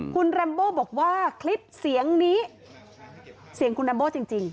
คุณแรมโบบอกว่าคลิปเสียงนี้เสียงคุณรัมโบ้จริง